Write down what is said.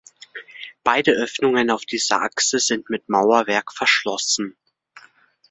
Beide Öffnungen auf dieser Achse sind mit Mauerwerk verschlossen.